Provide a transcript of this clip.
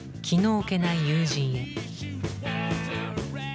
置けない友人へ。